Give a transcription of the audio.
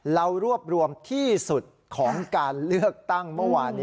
เรารวบรวมที่สุดของการเลือกตั้งเมื่อวาน